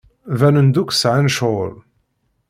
Banen-d akk sɛan ccɣel.